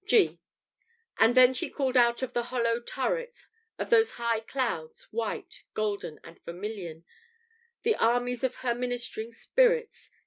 ] (G) "And then she called out of the hollow turrets Of those high clouds, white, golden and vermilion, The armies of her ministering spirits.